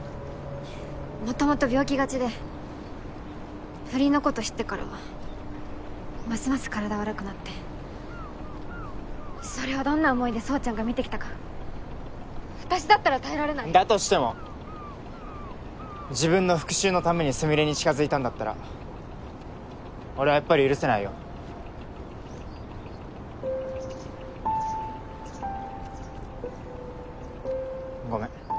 元々病気がちで不倫のこと知ってからはますます体悪くなってそれをどんな思いで宗ちゃんが見てきたか私だったら耐えられないだとしても自分の復讐のためにスミレに近づいたんだったら俺はやっぱり許せないよごめん